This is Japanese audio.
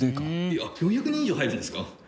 ４００人以上入るんですか？